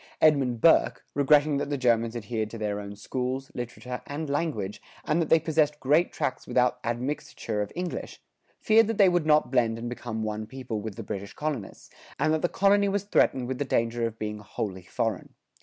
Edmund Burke, regretting that the Germans adhered to their own schools, literature, and language, and that they possessed great tracts without admixture of English, feared that they would not blend and become one people with the British colonists, and that the colony was threatened with the danger of being wholly foreign.